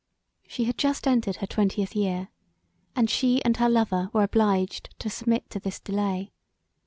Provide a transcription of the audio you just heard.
She had just entered her twentieth year, and she and her lover were obliged to submit to this delay.